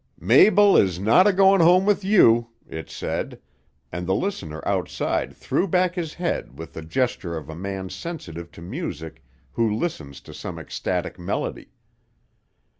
"Mabel is not a goin' home with you," it said; and the listener outside threw back his head with the gesture of a man sensitive to music who listens to some ecstatic melody.